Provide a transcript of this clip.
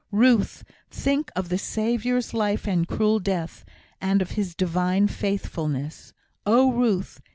Ruth! think of the Saviour's life and cruel death, and of His divine faithfulness. Oh, Ruth!"